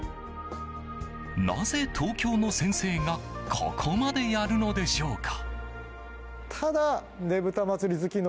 なぜ東京の先生がここまでやるのでしょうか。